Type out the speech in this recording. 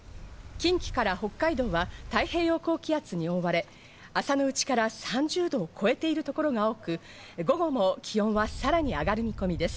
近畿から北海道は太平洋高気圧に覆われ、朝のうちから３０度を超えているところが多く、午後も気温はさらに上がる見込みです。